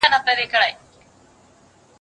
زه پرون د سبا لپاره د هنرونو تمرين کوم!!